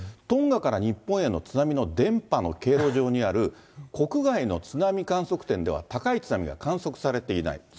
トンガから日本への津波の伝ぱの経路上にある国外の津波観測点では高い津波が観測されていない。